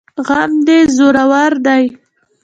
غم دي زورور دی